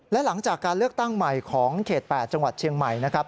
และหลังจากการเลือกตั้งใหม่ของเขต๘จังหวัดเชียงใหม่นะครับ